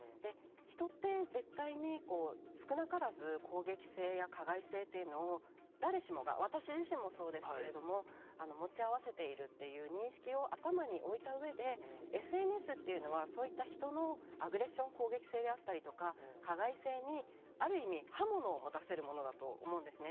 人って絶対に少なからず攻撃性や加害性というのを誰しもが、私自身もそうですけれども、持ち合わせているっていう認識を頭に置いたうえで、ＳＮＳっていうのは、そういった人のアグレッション攻撃性であったりとか、加害性にある意味、刃物を持たせるものだと思うんですね。